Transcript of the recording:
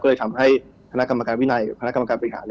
ก็เลยทำให้คณะกรรมการวินัยคณะกรรมการบริหาร